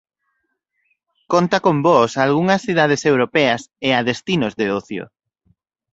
Conta con voos a algunhas cidades europeas e a destinos de ocio.